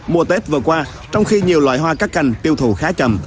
mùa tết vừa qua trong khi nhiều loại hoa cắt cành tiêu thụ khá chậm